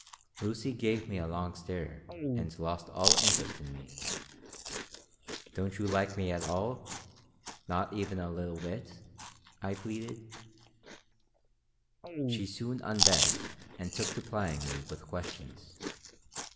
Lucy gave me a long stare and lost all interest in me. "Don't you like me at all? Not even a little bit?" I pleaded She soon unbent and took to plying me with questions.